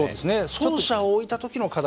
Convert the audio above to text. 走者を置いた時の課題